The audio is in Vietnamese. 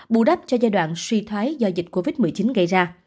bù đắp cho giai đoạn suy thoái do dịch covid một mươi chín gây ra